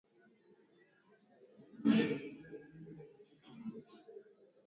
ati tunapendana